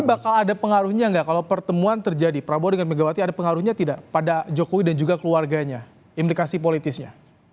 bakal ada pengaruhnya nggak kalau pertemuan terjadi prabowo dengan megawati ada pengaruhnya tidak pada jokowi dan juga keluarganya implikasi politisnya